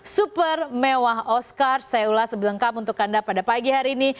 super mewah oscars saya ulas sebelumnya untuk anda pada pagi hari ini